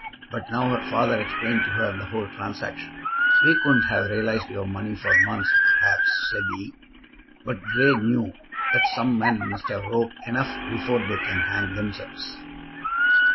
But now her father explained to her the whole transaction. "We couldn't have realized your money for months, perhaps," said he; "but Grey knew that some men must have rope enough before they can hang themselves."